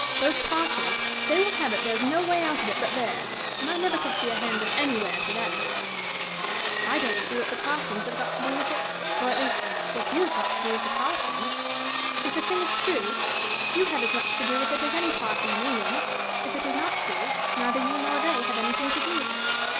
Those parsons! They will have it there's no way out of it but theirs, and I never could see a handle anywhere to that door!" "I don't see what the parsons have got to do with it, or, at least, what you have got to do with the parsons. If a thing is true, you have as much to do with it as any parson in England; if it is not true, neither you nor they have anything to do with it."